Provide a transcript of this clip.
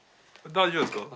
大丈夫ですけど。